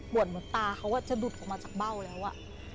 เหมือนตาเขาจะหลุดออกมาจากเบ้าแล้ว